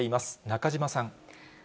中島さん。